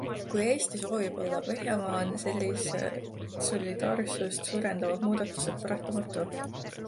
Kui Eesti soovib olla Põhjamaa, on sellised solidaarsust suurendavad muudatused paratamatud.